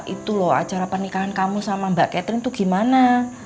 itu loh acara pernikahan kamu sama mbak catherine itu gimana